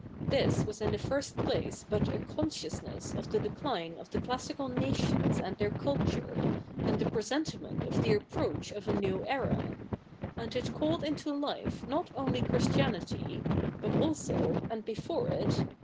This was i?i the the first place but a consciousness of the decline of the classical fiations and their culture, and the presentiment of the approach of a new era ; a?td it called i^ito life not only 'Christianity, but also, and before it.